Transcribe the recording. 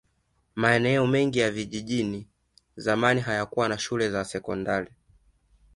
maeneo mengi ya vijijini zamani hayakuwa na shule za sekondari